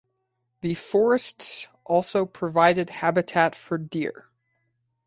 The forests also provided habitat for deer.